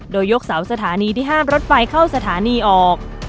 โดยยกเสาสถานีที่ห้ามรถไฟเข้าสถานีออก